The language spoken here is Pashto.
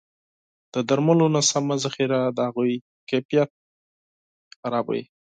د درملو نه سمه ذخیره د هغوی کیفیت خرابوي.